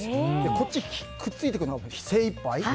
こっち、くっついていくのに精いっぱいで。